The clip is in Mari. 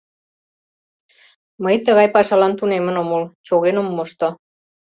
Мый тыгай пашалан тунемын омыл Чоген ом мошто.